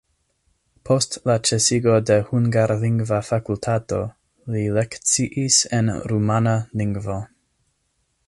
Post la ĉesigo de hungarlingva fakultato li lekciis en rumana lingvo.